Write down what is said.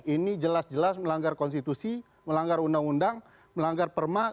ini jelas jelas melanggar konstitusi melanggar undang undang melanggar perma